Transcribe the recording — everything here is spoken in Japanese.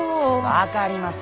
分かります！